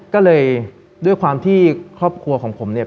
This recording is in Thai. ก็เลยด้วยความที่ครอบครัวของผมเนี่ย